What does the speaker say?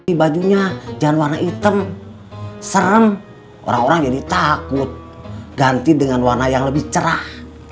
di bajunya jangan warna hitam serem orang orang jadi takut ganti dengan warna yang lebih cerah